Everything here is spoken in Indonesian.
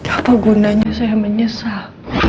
apa gunanya saya menyesal